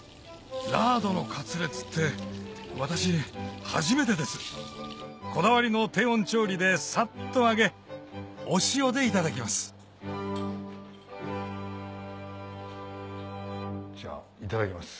ラードのカツレツって私初めてですこだわりの低温調理でサッと揚げお塩でいただきますじゃあいただきます。